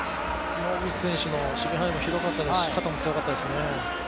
野口選手の守備範囲も広かったですし、肩も強かったですね。